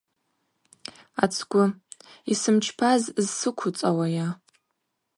Ацгвы – Йсымчпаз зсыквуцӏауайа?